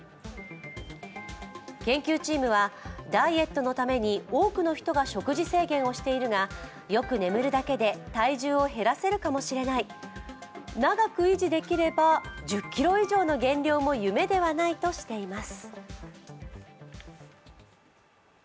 研究チームは、ダイエットのために多くの人が食事制限をしているがよく眠るだけで体重を減らせるかもしれない、長く維持できれば１０ｋｇ以上の減量も夢ではないとしています。